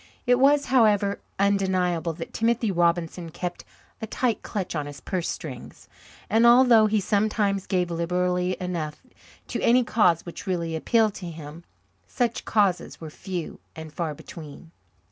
It was, however, undeniable that Timothy Robinson kept a tight clutch on his purse strings, and although he sometimes gave liberally enough to any cause which really appealed to him, such causes were few and far between.